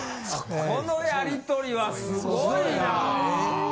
このやり取りはすごいな。